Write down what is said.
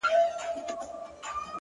• بل څوک خو بې خوښ سوی نه وي،